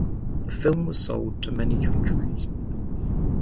The film was sold to many countries.